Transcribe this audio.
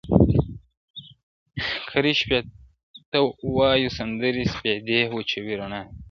کرې شپه وایو سندري سپېدې وچوي رڼا سي؛